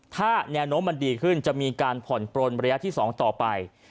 ถ้าแนวโน้มมันดีขึ้นจะมีการผ่อนปลนระยะที่๒ต่อไป